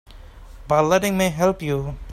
By letting me help you.